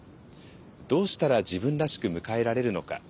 どうしたら自分らしく迎えられるのか。